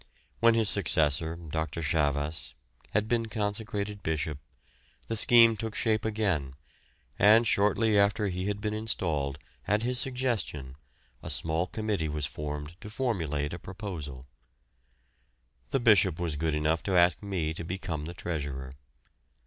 When his successor, Dr. Chavasse, had been consecrated bishop the scheme took shape again, and shortly after he had been installed at his suggestion a small committee was formed to formulate a proposal. The Bishop was good enough to ask me to become the treasurer.